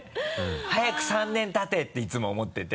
早く３年たて！っていつも思ってて。